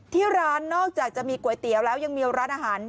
ที่ร้านนอกจากจะมีก๋วยเตี๋ยวแล้วยังมีร้านอาหาร